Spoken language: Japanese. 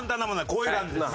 こういう感じです。